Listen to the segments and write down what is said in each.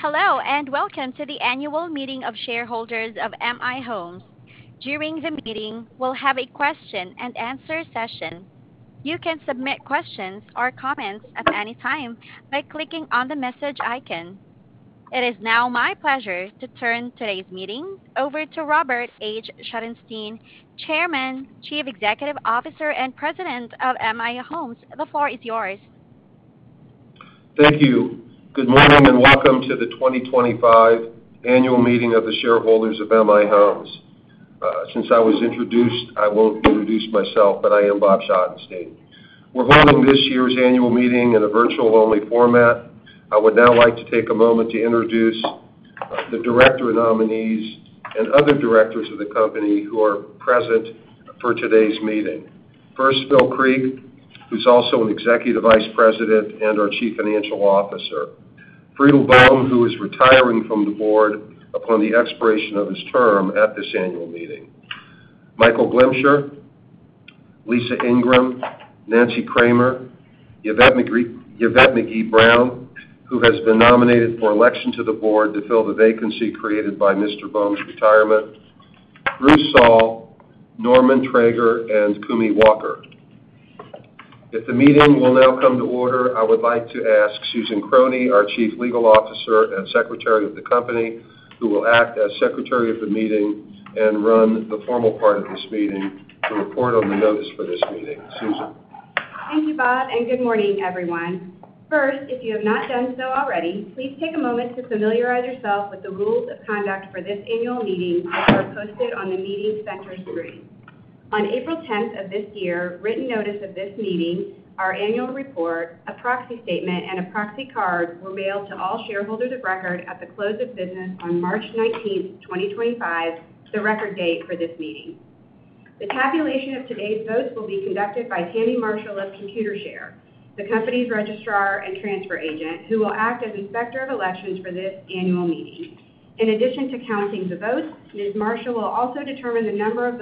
Hello and welcome to the annual meeting of shareholders of M/I Homes. During the meeting, we'll have a question and answer session. You can submit questions or comments at any time by clicking on the message icon. It is now my pleasure to turn today's meeting over to Robert H. Schottenstein, Chairman, Chief Executive Officer, and President of M/I Homes. The floor is yours. Thank you. Good morning and welcome to the 2025 annual meeting of the shareholders of M/I Homes. Since I was introduced, I won't introduce myself, but I am Robert Schottenstein. We're holding this year's annual meeting in a virtual-only format. I would now like to take a moment to introduce the director nominees and other directors of the company who are present for today's meeting. First, Phil Creek, who's also an Executive Vice President and our Chief Financial Officer. Friedrich K.M. Böhm, who is retiring from the board upon the expiration of his term at this annual meeting. Michael Glimcher, Lisa Ingram, Nancy J. Kramer, Yvette McGee-Brown, who has been nominated for election to the board to fill the vacancy created by Mr. Böhm's retirement. Bruce Saul, Norman Traeger, and Kumi Walker. If the meeting will now come to order, I would like to ask Susan Krohne, our Chief Legal Officer and secretary of the company, who will act as secretary of the meeting and run the formal part of this meeting, to report on the notice for this meeting. Susan. Thank you, Bob, and good morning, everyone. First, if you have not done so already, please take a moment to familiarize yourself with the rules of conduct for this annual meeting as they are posted on the meeting center screen. On April 10th of this year, written notice of this meeting, our annual report, a proxy statement, and a proxy card were mailed to all shareholders of record at the close of business on March 19th, 2025, the record date for this meeting. The tabulation of today's votes will be conducted by Tammie Marshall of Computershare, the company's registrar and transfer agent, who will act as inspector of elections for this annual meeting. In addition to counting the votes, Ms. Marshall will also determine the number of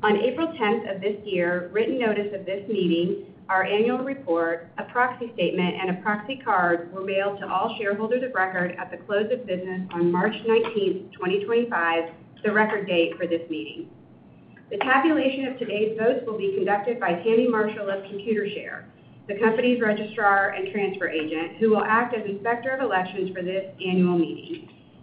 votes will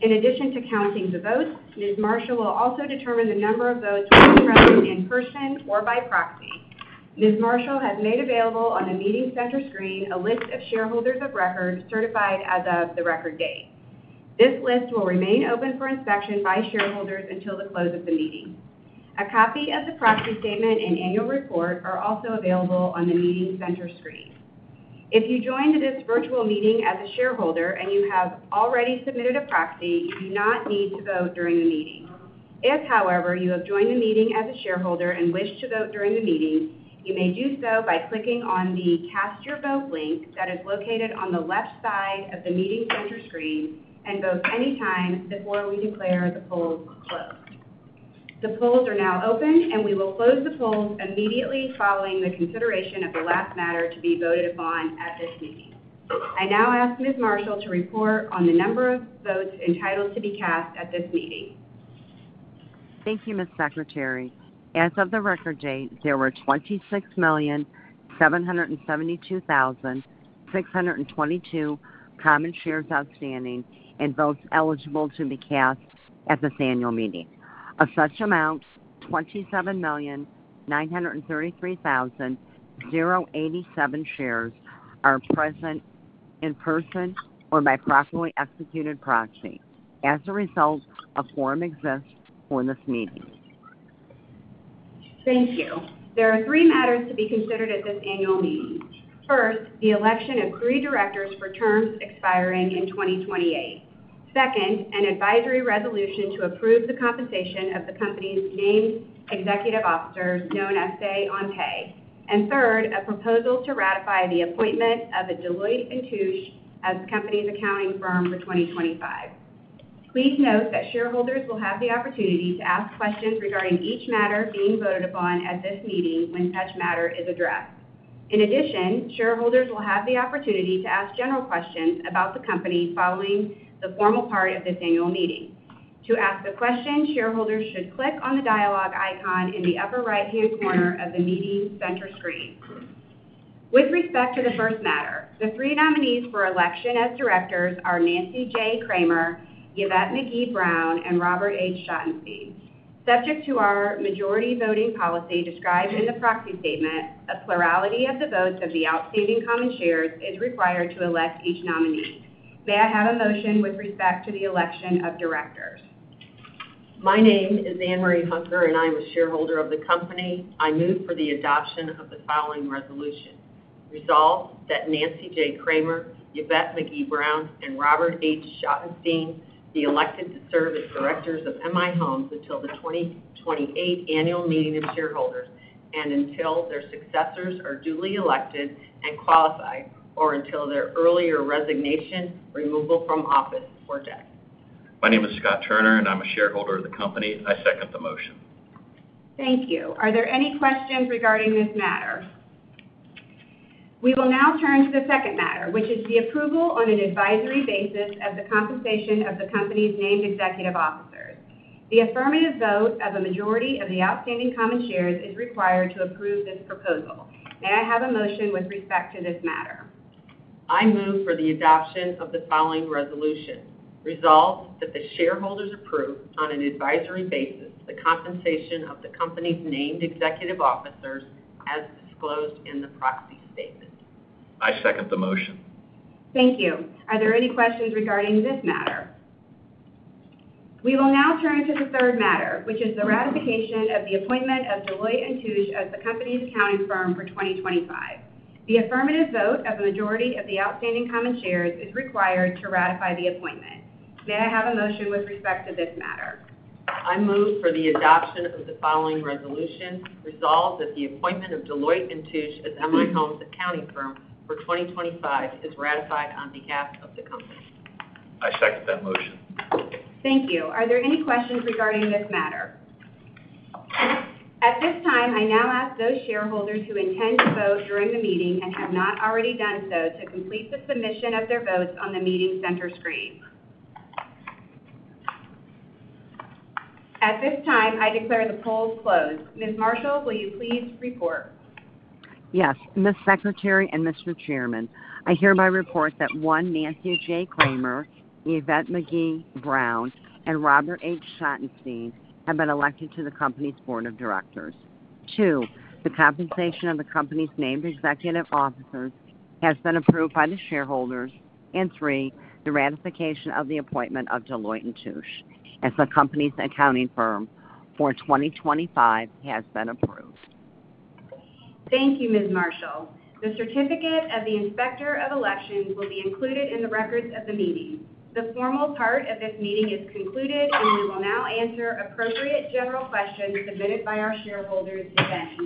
be present in person or by proxy. Ms. Marshall has made available on the meeting center screen a list of shareholders of record certified as of the record date. This list will remain open for inspection by shareholders until the close of the meeting. A copy of the proxy statement and annual report are also available on the meeting center screen. If you joined this virtual meeting as a shareholder and you have already submitted a proxy, you do not need to vote during the meeting. If, however, you have joined the meeting as a shareholder and wish to vote during the meeting, you may do so by clicking on the Cast Your Vote link that is located on the left side of the meeting center screen and vote anytime before we declare the polls closed. The polls are now open, and we will close the polls immediately following the consideration of the last matter to be voted upon at this meeting. I now ask Ms. Marshall to report on the number of votes entitled to be cast at this meeting. Thank you, Ms. Secretary. As of the record date, there were 26,772,622 common shares outstanding and votes eligible to be cast at this annual meeting. Of such amounts, 27,933,087 shares are present in person or by properly executed proxy. As a result, a quorum exists for this meeting. Thank you. There are three matters to be considered at this annual meeting. First, the election of three directors for terms expiring in 2028. Second, an advisory resolution to approve the compensation of the company's named executive officers, known as say on pay. Third, a proposal to ratify the appointment of Deloitte & Touche as the company's accounting firm for 2025. Please note that shareholders will have the opportunity to ask questions regarding each matter being voted upon at this meeting when such matter is addressed. In addition, shareholders will have the opportunity to ask general questions about the company following the formal part of this annual meeting. To ask a question, shareholders should click on the dialog icon in the upper right-hand corner of the meeting center screen. With respect to the first matter, the three nominees for election as directors are Nancy J. Kramer, Yvette McGee-Brown, and Robert H. Schottenstein. Subject to our majority voting policy described in the proxy statement, a plurality of the votes of the outstanding common shares is required to elect each nominee. May I have a motion with respect to the election of directors? My name is Ann Marie Hunker, and I am a shareholder of the company. I move for the adoption of the following resolution. Resolve that Nancy J. Kramer, Yvette McGee-Brown, and Robert H. Schottenstein be elected to serve as directors of M/I Homes until the 2028 annual meeting of shareholders and until their successors are duly elected and qualified, or until their earlier resignation, removal from office, or death. My name is Scott Turner, and I'm a shareholder of the company. I second the motion. Thank you. Are there any questions regarding this matter? We will now turn to the second matter, which is the approval on an advisory basis of the compensation of the company's named executive officers. The affirmative vote of a majority of the outstanding common shares is required to approve this proposal. May I have a motion with respect to this matter? I move for the adoption of the following resolution. Resolve that the shareholders approve on an advisory basis the compensation of the company's named executive officers as disclosed in the proxy statement. I second the motion. Thank you. Are there any questions regarding this matter? We will now turn to the third matter, which is the ratification of the appointment of Deloitte & Touche as the company's accounting firm for 2025. The affirmative vote of a majority of the outstanding common shares is required to ratify the appointment. May I have a motion with respect to this matter? I move for the adoption of the following resolution. Resolve that the appointment of Deloitte & Touche as M/I Homes accounting firm for 2025 is ratified on behalf of the company. I second that motion. Thank you. Are there any questions regarding this matter? At this time, I now ask those shareholders who intend to vote during the meeting and have not already done so to complete the submission of their votes on the meeting center screen. At this time, I declare the polls closed. Ms. Marshall, will you please report? Yes. Ms. Secretary and Mr. Chairman, I hereby report that, one, Nancy J. Kramer, Yvette McGee-Brown, and Robert H. Schottenstein have been elected to the company's board of directors. Two, the compensation of the company's named executive officers has been approved by the shareholders. Three, the ratification of the appointment of Deloitte & Touche as the company's accounting firm for 2025 has been approved. Thank you, Ms. Marshall. The certificate of the inspector of elections will be included in the records of the meeting.